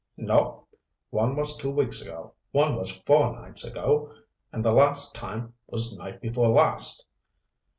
"Nope. One was two weeks ago, one was four nights ago, and the last time was night before last."